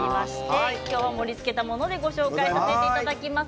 盛りつけたものでご紹介させていただきます。